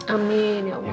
amin ya allah